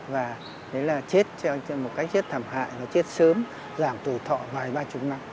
và đấy là chết một cách chết thảm hại chết sớm giảm tuổi thọ vài ba chục năm